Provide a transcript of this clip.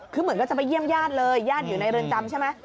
คือเหมือนกันจะไปเยี่ยมญาติเลยญาติอยู่ในเรือนจำใช่ไหม